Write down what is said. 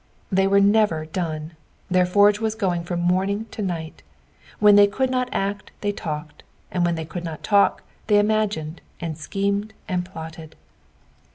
'" They were never done, their forge was going from morning to night. When they could not act they talked, and when the^ could not talk they imagined, and schemed, and plotted.